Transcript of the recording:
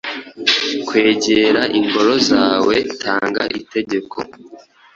Kwegera Ingoro zawe, tanga itegeko